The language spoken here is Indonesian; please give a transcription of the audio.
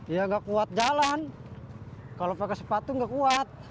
ya nggak kuat jalan kalau pakai sepatu nggak kuat